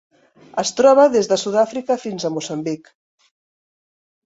Es troba des de Sud-àfrica fins a Moçambic.